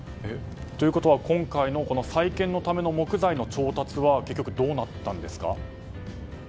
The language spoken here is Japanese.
今回の再建のための木材の調達は結局、どうなったんですか？